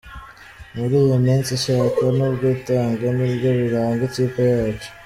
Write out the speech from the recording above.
Muri iyi minsi ishyaka n’ubwitange nibyo biranga ikipe yacu.